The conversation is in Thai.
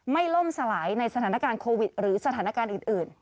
ล่มสลายในสถานการณ์โควิดหรือสถานการณ์อื่น